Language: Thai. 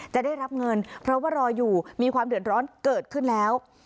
จะได้รับเงินเพราะว่ารออยู่มีความเดือดร้อนเกิดขึ้นแล้ว